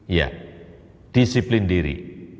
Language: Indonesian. ya disiplin diri